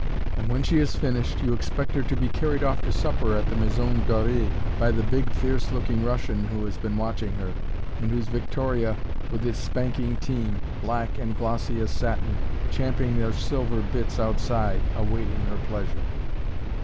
And when she has finished, you expect her to be carried off to supper at the Maison Dorée by the big, fierce looking Russian who has been watching her, and whose victoria, with its spanking team black and glossy as satin champing their silver bits outside, awaiting her pleasure.